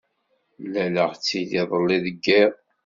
Mlaleɣ-tt-id idelli deg yiḍ.